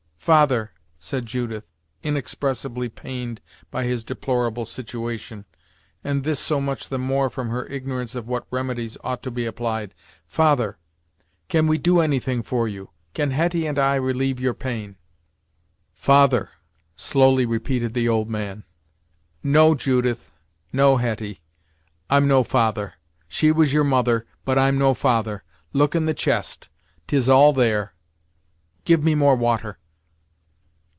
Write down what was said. "Father," said Judith, inexpressibly pained by his deplorable situation, and this so much the more from her ignorance of what remedies ought to be applied "Father, can we do any thing for you? Can Hetty and I relieve your pain?" "Father!" slowly repeated the old man. "No, Judith; no, Hetty I'm no father. She was your mother, but I'm no father. Look in the chest 'Tis all there give me more water."